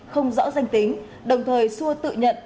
không rõ danh tính đồng thời xua tự nhận